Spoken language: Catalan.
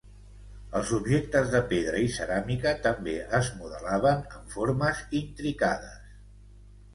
Els objectes de pedra i ceràmica també es modelaven en formes intricades.